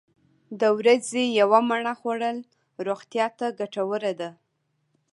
د ورځې یوه مڼه خوړل روغتیا ته ګټوره ده.